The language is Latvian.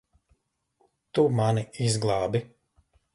Tu mani izglābi.